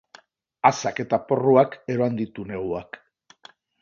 Azak eta porruak eroan ditu neguak.